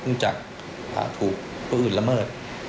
หรือถูกตัวอื่นละเมิด